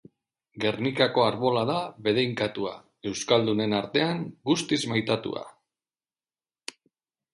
Gernikako Arbola da bedeinkatua, euskaldunen artean guztiz maitatua.